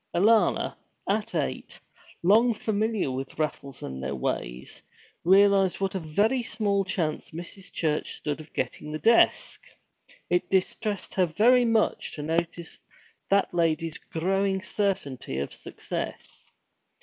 Alanna, at eight, long familiar with raffles and their ways, realized what a very small chance Mrs. Church stood of getting the desk. It distressed her very much to notice that lady's growing certainty of success.